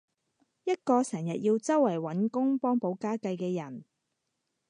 一個成日要周圍搵工幫補家計嘅人